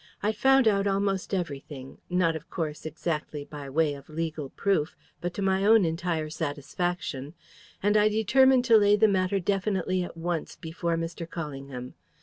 "I'd found out almost everything; not, of course, exactly by way of legal proof, but to my own entire satisfaction: and I determined to lay the matter definitely at once before Mr. Callingham.